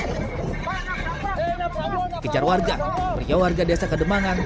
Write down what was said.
dikejar warga pria warga desa kademangan